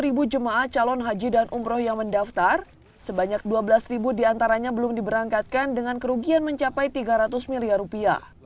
dari tiga puluh satu jamaah calon haji dan umroh yang mendaftar sebanyak dua belas diantaranya belum diberangkatkan dengan kerugian mencapai tiga ratus miliar rupiah